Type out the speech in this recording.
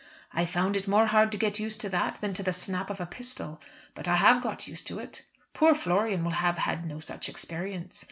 I found it more hard to get used to that than to the snap of a pistol; but I have got used to it. Poor Florian will have had no such experience.